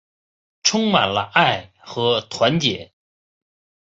充满了爱和团结